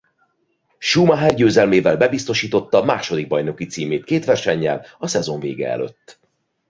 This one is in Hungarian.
Schumacher győzelmével bebiztosította második bajnoki címét két versennyel a szezon vége előtt.